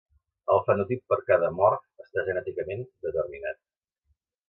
El fenotip per a cada morf està genèticament determinat.